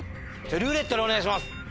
「ルーレット」でお願いします。